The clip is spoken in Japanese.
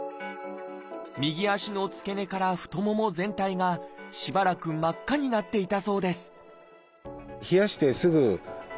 右足の付け根から太もも全体がしばらく真っ赤になっていたそうです